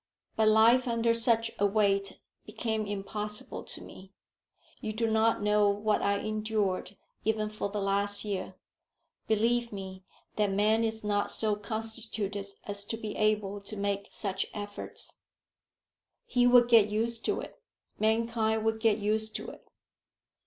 "But life under such a weight became impossible to me. You do not know what I endured even for the last year. Believe me that man is not so constituted as to be able to make such efforts." "He would get used to it. Mankind would get used to it."